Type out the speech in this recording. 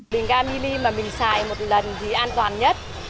bình ga mini mà mình xài một lần thì an toàn nhất